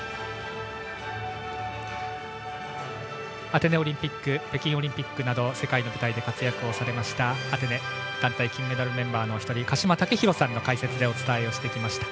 アテネオリンピック北京オリンピックなど世界の舞台で活躍をされましたアテネ団体金メダルメンバーのお一人鹿島丈博さんの解説でお伝えしてきました。